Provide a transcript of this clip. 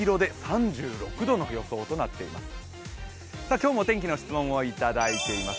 今日もお天気の質問をいただいています。